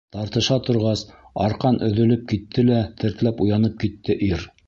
Тартыша торғас, арҡан өҙөлөп Китте лә... тертләп уянып китте ир.